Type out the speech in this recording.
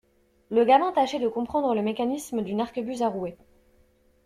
Le gamin tâchait de comprendre le mécanisme d'une arquebuse à rouet.